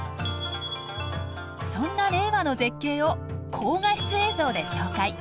そんな令和の絶景を高画質映像で紹介。